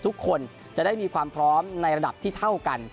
ทุกคนจะได้มีความพร้อมในระดับที่เท่ากัน